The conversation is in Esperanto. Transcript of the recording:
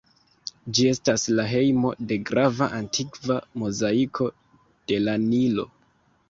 Ĝi estas la hejmo de grava antikva mozaiko de la Nilo.